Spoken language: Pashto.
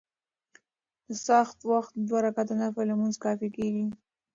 د څاښت وخت دوه رکعته نفل لمونځ کافي کيږي .